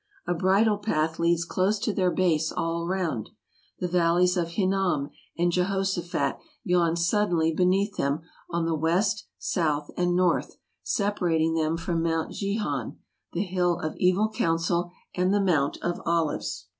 A bridle path leads close to their base all round ; the valleys of Hinnom and Jehoshaphat yawn suddenly beneath them on the west, south, and north, separating them from Mount Gihon, the Hill of Evil Counsel, and the Mount of Olives.